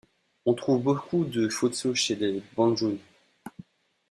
On trouve beaucoup de Fotso chez les Bandjoun.